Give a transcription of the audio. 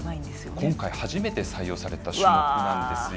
今回、初めて採用された種目なんですよ。